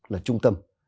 là trung tâm